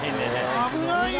危ないよ］